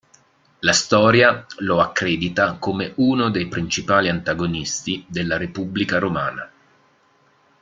La storia lo accredita come uno dei principali antagonisti della Repubblica romana.